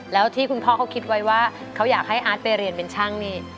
แล้วที่คุณพ่อเขาคิดไว้ว่าเขาอยากให้อาร์ตไปเรียนเป็นช่างนี่